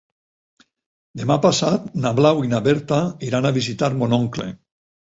Demà passat na Blau i na Berta iran a visitar mon oncle.